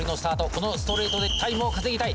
このストレートでタイムを稼ぎたい。